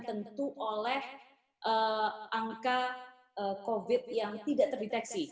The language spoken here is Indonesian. tentu oleh angka covid yang tidak terdeteksi